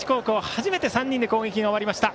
初めて３人で攻撃が終わりました。